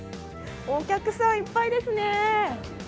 お客さん、いっぱいですね。